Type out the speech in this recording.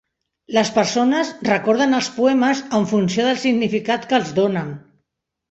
Les persones recorden els poemes en funció del significat que els donen.